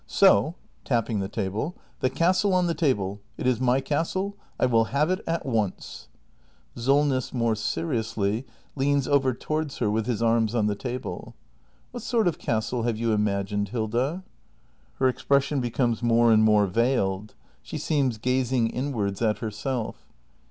So — [tapping the table] — the castle on the table ! It is my castle ! I will have it a t once! SOLNESS. [More seriously, leans over towards her, with his arms on the table.] What sort of castle have you imagined, Hilda ? [Her expression becomes more and more veiled. She seems gazing inwards at herself.